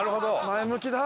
前向きだ。